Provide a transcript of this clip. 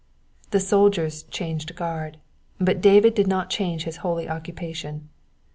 The soldiers changed guard, but David did not change his holy occupation.